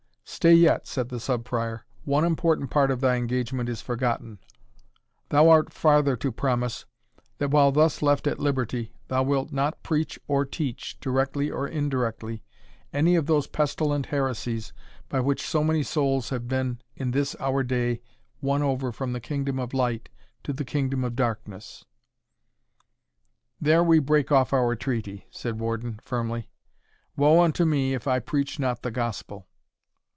"Stay yet," said the Sub Prior; "one important part of thy engagement is forgotten thou art farther to promise, that while thus left at liberty, thou wilt not preach or teach, directly or indirectly, any of those pestilent heresies by which so many souls have been in this our day won over from the kingdom of light to the kingdom of darkness." "There we break off our treaty," said Warden, firmly "Wo unto me if I preach not the Gospel!"